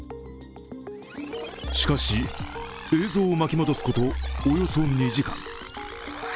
しかし、映像を巻き戻すことおよそ２時間。